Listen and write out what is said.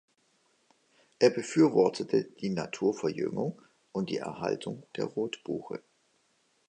Er befürwortete die Naturverjüngung und die Erhaltung der Rotbuche.